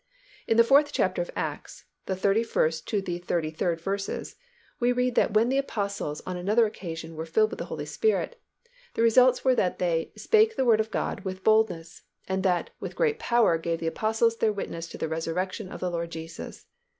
In the fourth chapter of Acts, the thirty first to the thirty third verses, we read that when the Apostles on another occasion were filled with the Holy Spirit, the result was that they "spake the word of God with boldness" and that "with great power gave the Apostles their witness to the resurrection of the Lord Jesus."